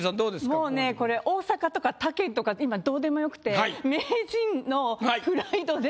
もうねこれ大阪とか他県とか今どうでもよくて名人のプライドで。